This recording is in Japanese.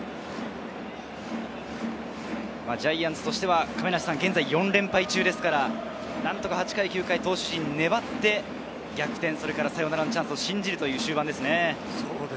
ジャイアンツとしては現在４連敗中ですから、何とか投手陣が粘って、逆転サヨナラのチャンスを信じる終盤ですね。